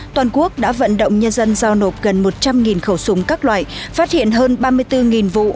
toàn quốc đã vận động nhân dân giao nộp gần một trăm linh khẩu súng các loại phát hiện hơn ba mươi bốn vụ